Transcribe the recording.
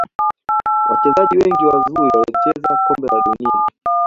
Wachezaji wengi wazuri walicheza kombe la dunia